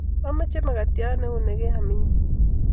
Amache mkatiat neunie negeam inye